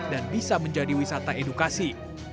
dan bisa menjadi wisata edukasi